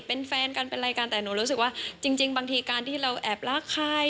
เป็นแฟนกันเป็นอะไรกันแต่หนูรู้สึกว่าจริงบางทีการที่เราแอบรักใคร